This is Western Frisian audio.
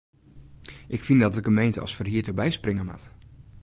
Ik fyn dat de gemeente as ferhierder byspringe moat.